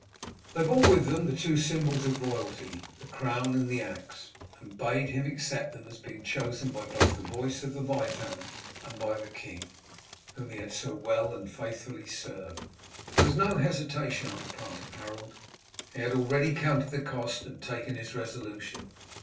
They bore with them the two symbols of royalty, the crown and the axe, and bade him accept them as being chosen both by the voice of the Witan and by the king, whom he had so well and faithfully served. There was no hesitation on the part of Harold. He had already counted the cost and taken his resolution.